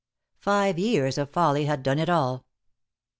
Five years of folly had done it all.